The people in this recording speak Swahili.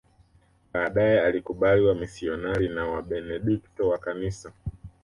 Baadae alikubali wamisionari na Wabenedikto wa kanisa